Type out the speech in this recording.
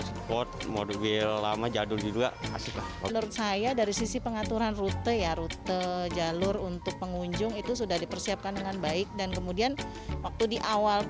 sport mobil lama jadul di dua asik lah menurut saya dari sisi pengaturan rute ya rute jalur untuk pengunjung itu sudah dipersiapkan dengan baik dan kemudian juga untuk pengunjung yang berpengalaman